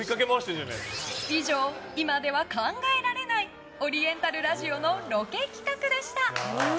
以上、今では考えられないオリエンタルラジオのロケ企画でした。